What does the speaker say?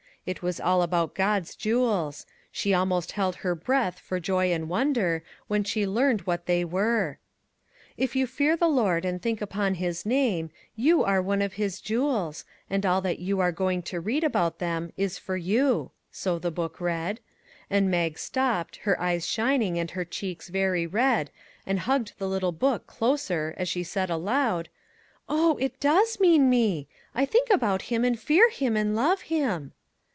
It was all about God's jewels ; she almost held her breath for joy and wonder when she learned what they were. " If you fear the Lord and think upon his name, you are one of his jewels, and all that you are going to read about them is for you," so the book read; and Mag stopped, her eyes 7 1 MAG AND MARGARET shining and her cheeks very red, and hugged the little book closer as she said aloud :" Oh, it does mean me ! I think about him and fear him and love him."